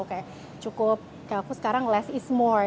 kayak cukup kayak aku sekarang less is more